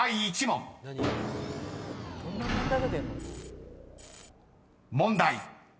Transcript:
［問題］